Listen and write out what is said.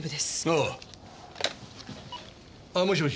あもしもし。